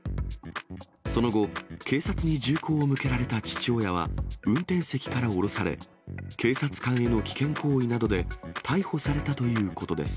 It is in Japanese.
その後、警察に銃口を向けられた父親は運転席から降ろされ、警察官への危険行為などで、逮捕されたということです。